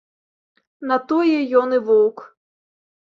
На тое ён і воўк!